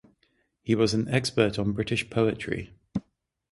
He was an expert on British poetry.